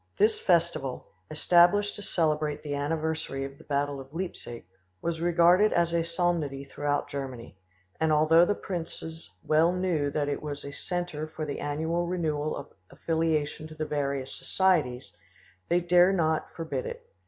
This festival, established to celebrate the anniversary of the battle of Leipzig, was regarded as a solemnity throughout Germany, and although the princes well knew that it was a centre for the annual renewal of affiliation to the various societies, they dared not forbid it.